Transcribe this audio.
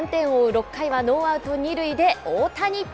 ６回は、ノーアウト２塁で大谷。